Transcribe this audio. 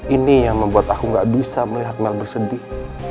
ini yang membuat aku gak bisa melihat mel bersedih